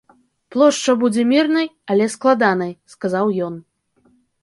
Плошча будзе мірнай, але складанай, сказаў ён.